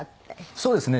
そうですね。